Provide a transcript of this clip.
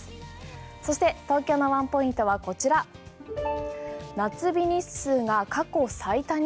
そして東京のワンポイントはこちら夏日日数が過去最多に。